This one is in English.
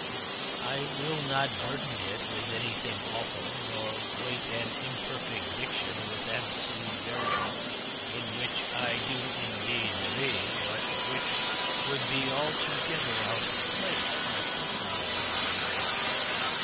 I will not burden it with anything awful, nor weight an imperfect diction with absolute verities in which I do indeed believe, but which would be altogether out of place at this hour of the evening.